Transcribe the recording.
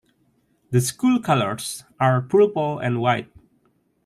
The school colours are purple and white.